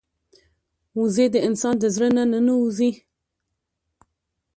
وزې د انسان د زړه نه نه وځي